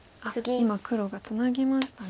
今黒がツナぎましたね。